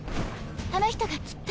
あの人がきっと。